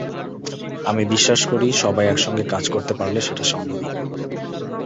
আমি বিশ্বাস করি, সবাই একসঙ্গে কাজ করতে পারলে সেটা সম্ভব হবে।